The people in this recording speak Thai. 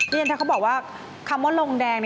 เห็นไหมเขาบอกว่าคำว่าลงแดง